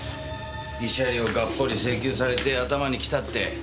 慰謝料をがっぽり請求されて頭にきたって。